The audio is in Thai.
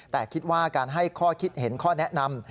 แต่คิดว่าการให้ข้อคิดเห็นข้อแนะนำ